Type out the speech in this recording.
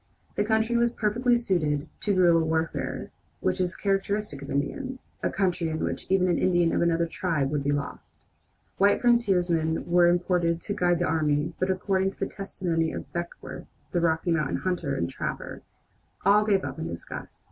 The country was perfectly suited to the guerilla warfare which is characteristic of Indians a country in which even an Indian of another tribe would be lost! White frontiersmen were imported to guide the army, but according to the testimony of Beckworth, the Rocky Mountain hunter and trapper, all gave up in disgust.